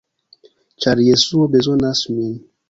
ĉar Jesuo bezonas min.